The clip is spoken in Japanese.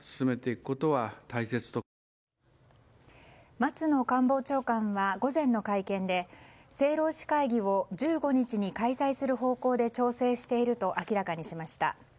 松野官房長官は午前の会見で政労使会議を１５日に開催する方向で調整していると明らかにしました。